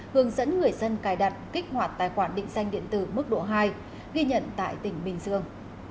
hướng dẫn người dân cài đặt kích hoạt tài khoản định danh điện tử mức độ hai ghi nhận tại tỉnh bình dương